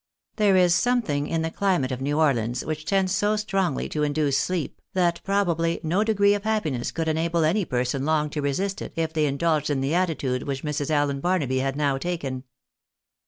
There is something in the climate of New Orleans which tends so strongly to induce sleep, that probably no degree of happiness could enable any person long to resist it if they indulged in the attitude which Mrs. Allen Barnaby had now taken.